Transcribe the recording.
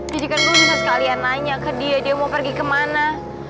jadi kan gue bisa sekalian nanya ke dia dia mau pergi kemana